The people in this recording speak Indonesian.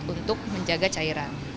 untuk menjaga cairan